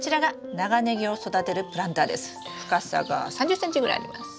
深さが３０ｃｍぐらいあります。